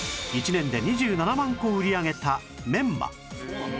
１年で２７万個売り上げたメンマ